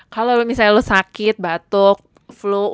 kalau misalnya lu sakit batuk flu